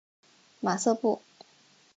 马瑟布。